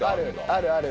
あるある。